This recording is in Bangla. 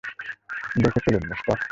দেখে চলুন, মিস্টার!